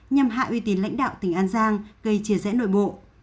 nhằm hạ uy tín lãnh đạo tỉnh an giang gây chia rẽ nội bộ